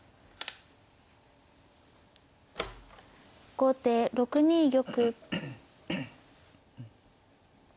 後手６二玉。